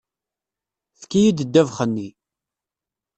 Efk-iyi-d ddabex-nni!